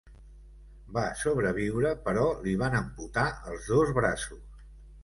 Va sobreviure, però li van amputar els dos braços.